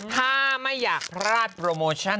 ถ้าไม่อยากพลาดโปรโมชั่น